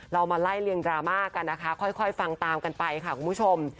เรามาไล่เรียงดราม่ากันนะคะค่อยฟังตามกันไปค่ะคุณผู้ชม